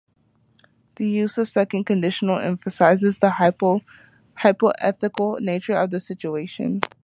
The use of the second conditional emphasizes the hypothetical nature of the situation.